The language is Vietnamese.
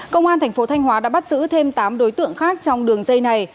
công an thành phố thanh hóa đã bắt giữ thêm tám đối tượng khác trong đường dây này